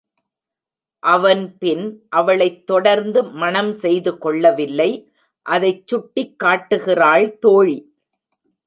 அவன் பின் அவளைத் தொடர்ந்து மணம் செய்து கொள்ள வில்லை அதைச் சுட்டிக் காட்டுகிறாள் தோழி.